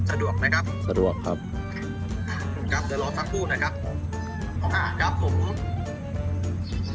สะดวกไหมครับสะดวกครับครับเดี๋ยวรอสักครู่นะครับอ่าครับผม